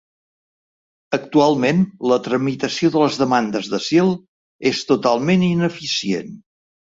Actualment la tramitació de les demandes d’asil és totalment ineficient.